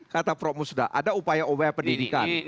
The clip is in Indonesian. kata prof musda ada upaya upaya pendidikan